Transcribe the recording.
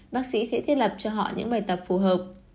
bác sĩ sẽ thiết lập cho họ những bài tập phù hợp